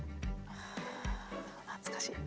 あ懐かしい。